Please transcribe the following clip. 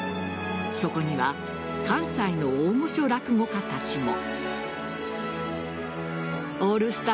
そこには関西の大御所落語家たちも。